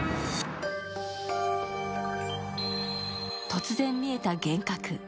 突然見えた幻覚。